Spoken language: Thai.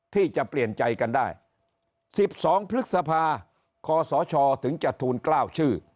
ที่จะเปลี่ยนใจกันได้สิบสองพฤษภาขอสอชอถึงจะทูลเกล้าชื่อ